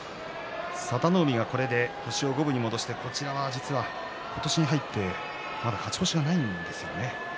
佐田の海は星を五分に戻してこちらは今年に入ってまだ勝ち越しがないんですよね。